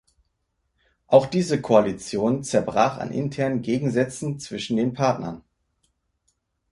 Auch diese Koalition zerbrach an internen Gegensätzen zwischen den Partnern.